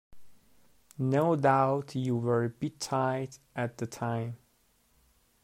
No doubt you were a bit tight at the time.